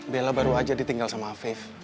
bella baru aja ditinggal sama faive